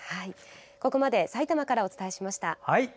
ここまで、さいたまからお伝えしました。